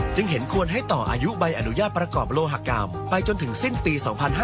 เห็นควรให้ต่ออายุใบอนุญาตประกอบโลหกรรมไปจนถึงสิ้นปี๒๕๕๙